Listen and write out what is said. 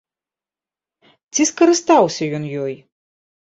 Ці скарыстаўся ён ёй?